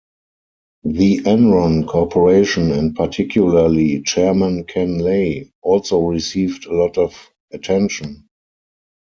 The Enron Corporation, and particularly Chairman Ken Lay, also received a lot of attention.